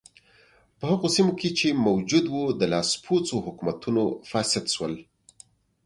په هغو سیمو کې چې موجود و د لاسپوڅو حکومتونو فاسد شول.